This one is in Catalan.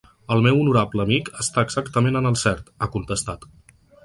“El meu honorable amic està exactament en el cert”, ha contestat.